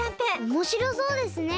おもしろそうですね。